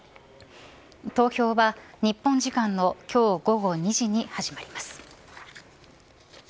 投票は日本時間の今日午後２時に始まります。